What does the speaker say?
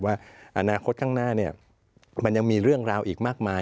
ว่าอนาคตข้างหน้ามันยังมีเรื่องราวอีกมากมาย